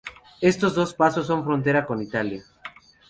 Estos dos pasos son frontera con Italia.